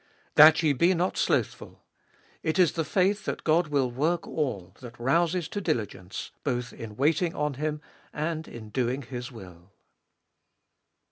3, That ye be not slothful : it is the faith that God will work all, that rouses to diligence both in waiting on Him and in doing His will.